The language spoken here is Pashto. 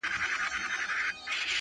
دى وايي دا.